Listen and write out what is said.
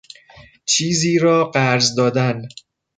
چیزی را قرض دادن